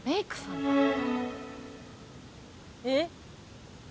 「えっ！